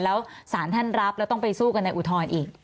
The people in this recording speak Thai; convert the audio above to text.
แล้วสารท่านรับแล้วต้องไปสู้กันในอุทธรณ์อีก